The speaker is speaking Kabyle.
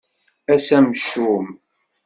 Ass amcum.